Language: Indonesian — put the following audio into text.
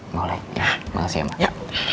boleh makasih ya mama